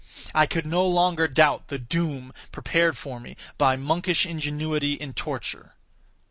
I could no longer doubt the doom prepared for me by monkish ingenuity in torture.